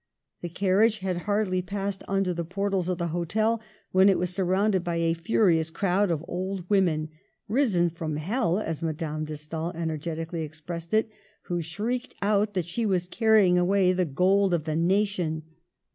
The carriage had hardly passed under the portals of the hotel before it was surrounded by a furious crowd of old women, "risen from hell, ,, as Madame de Stael energet ically expressed it, who shrieked out that she was carrying away the gold of the nation.